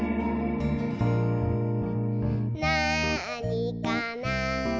「なあにかな？」